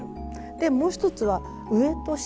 もう一つは上と下。